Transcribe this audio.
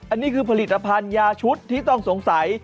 อันนี้คือผลิตภัณฑ์ยาชุดที่ต้องสงสัย